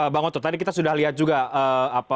bang otto tadi kita sudah lihat juga